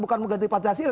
bukan mengganti pancasila